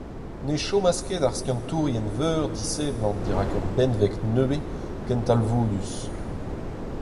Ne chomas ket ar skiantourien veur diseblant dirak ur benveg nevez ken talvoudus.